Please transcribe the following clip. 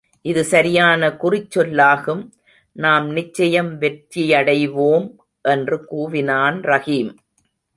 இது சரியான குறிச்சொல்லாகும், நாம் நிச்சயம் வெற்றியடைவோம்! என்று கூவினான் ரஹீம்.